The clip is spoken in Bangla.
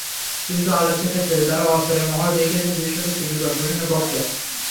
কিন্তু আলোচ্য ক্ষেত্রে তাঁরা অস্ত্রের মহড়া দেখিয়েছেন দৃশ্যত সিটি করপোরেশনের পক্ষে।